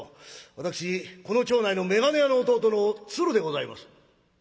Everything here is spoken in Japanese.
私この町内の眼鏡屋の弟の鶴でございます」。